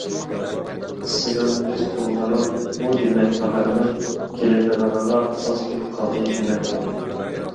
سېنىڭ كۈز بولغىنىڭ ئۇ دېمەك باھارنىڭ كېلىدىغىنىغا ئاز كۈن قالدى دېمەكتۇر.